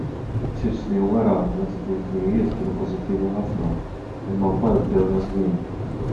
Sitt snin wara l-attitudnijiet kienu pożittivi ħafna imma mbagħad bdew neżlin.